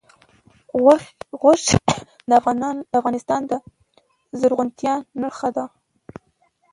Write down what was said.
غوښې د افغانستان د زرغونتیا نښه ده.